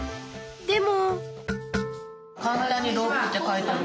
でも。